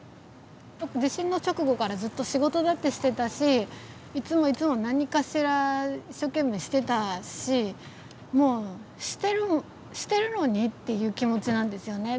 地震の直後からずっと仕事だってしてたしいつもいつも何かしら一生懸命してたしもう「してるのに」っていう気持ちなんですよね。